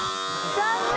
残念！